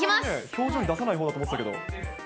表情に出さないほうだと思っていたけど。